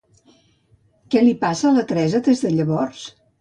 Què li passa a la Teresa des de llavors?